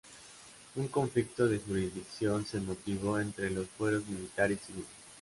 Un conflicto de jurisdicción se motivó entre los fueros militar y civil.